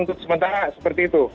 bagaimana seperti itu